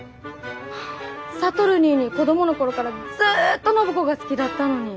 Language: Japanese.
智ニーニー子供の頃からずっと暢子が好きだったのに。